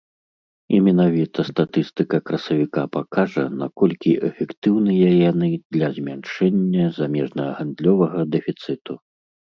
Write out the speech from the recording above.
І менавіта статыстыка красавіка пакажа, наколькі эфектыўныя яны для змяншэння замежнагандлёвага дэфіцыту.